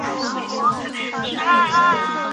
我觉得不够过瘾